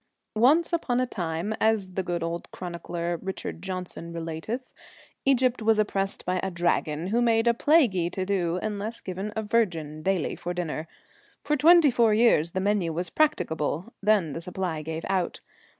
Once upon a time, as the good old chronicler, Richard Johnson, relateth, Egypt was oppressed by a Dragon who made a plaguy to do unless given a virgin daily for dinner. For twenty four years the menu was practicable; then the supply gave out.